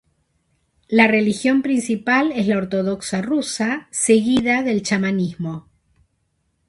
La religión principal es la ortodoxa rusa, seguida del chamanismo.